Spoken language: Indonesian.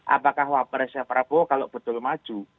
apakah wapresnya prabowo kalau betul maju